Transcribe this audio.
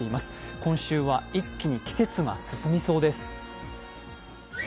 今週は一気に季節が進みそうです。